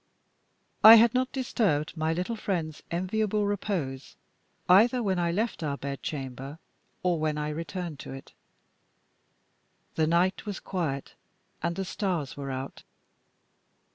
I had not disturbed my little friend's enviable repose, either when I left our bed chamber, or when I returned to it. The night was quiet, and the stars were out.